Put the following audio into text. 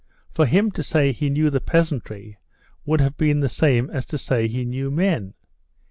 For him to say he knew the peasantry would have been the same as to say he knew men.